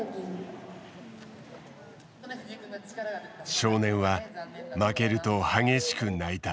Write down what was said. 少年は負けると激しく泣いた。